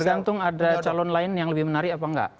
tergantung ada calon lain yang lebih menarik apa enggak